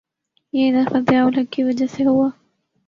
یہ اضافہ ضیاء الحق کی وجہ سے ہوا؟